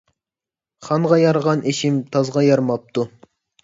خانغا يارىغان ئېشىم تازغا يارىماپتۇ.